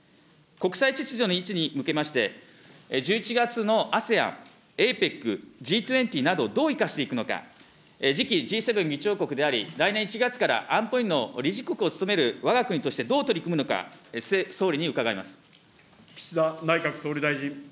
国際秩序の維持に向けまして、１１月のＡＳＥＡＮ、ＡＰＥＣ、Ｇ２０など、どう生かしていくのか、次期Ｇ７議長国であり、来年１月から安保理の理事国を務めるわが国としてどう取り組むのか、総理に伺います。